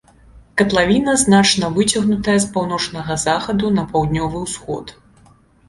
Катлавіна значна выцягнутая з паўночнага захаду на паўднёвы ўсход.